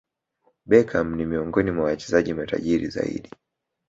Beckham ni miongoni mwa wachezaji matajiri zaidi